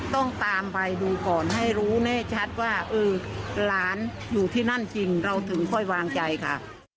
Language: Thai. ต้องตามไปดูก่อนให้รู้แน่ชัดว่าเออหลานอยู่ที่นั่นจริงเราถึงค่อยวางใจค่ะ